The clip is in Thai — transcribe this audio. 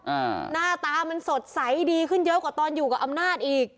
หน้าตามันสดใสดีขึ้นเยอะกว่าตอนอยู่กับอำนาจอีก